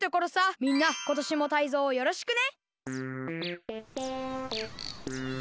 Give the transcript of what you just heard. みんなことしもタイゾウをよろしくね。